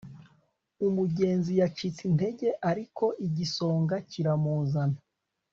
umugenzi yacitse intege, ariko igisonga kiramuzana